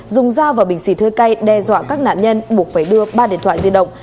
dùng dao và bình xì thơi cây đe dọa các nạn nhân buộc phải đưa ba điện thoại di động